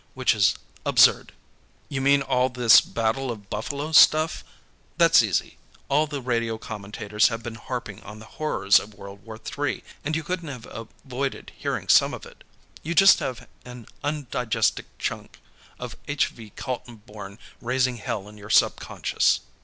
Which is absurd." "You mean all this Battle of Buffalo stuff? That's easy. All the radio commentators have been harping on the horrors of World War III, and you couldn't have avoided hearing some of it. You just have an undigested chunk of H. V. Kaltenborn raising hell in your subconscious."